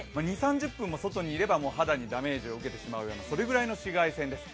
２０３０分も外にいれば、肌にダメージを受けてしまう、それぐらいの紫外線です。